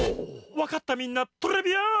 わかったみんなトレビアーン！